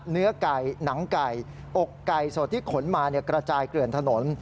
เนื้อไก่หนังไก่อกไก่สดที่ขนมากระจายเกลื่อนถนน